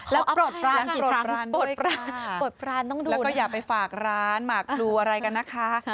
แล้วปลอดปรานสิทธิ์ครั้งปลอดปรานต้องดูนะครับแล้วก็อย่าไปฝากร้านมาดูอะไรกันนะคะ